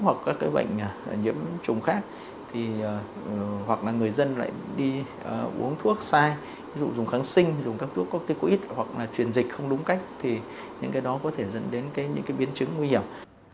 hoặc các cái bệnh nhiễm trùng khác hoặc là người dân lại đi uống thuốc sai ví dụ dùng kháng sinh dùng các thuốc có ít hoặc là truyền dịch không đúng cách thì những cái đó có thể dẫn đến những cái biến chứng nguy hiểm